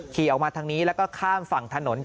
ขี่ออกมาทางนี้แล้วก็ข้ามฝั่งถนน